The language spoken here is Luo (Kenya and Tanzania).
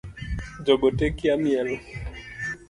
Jogote okia miel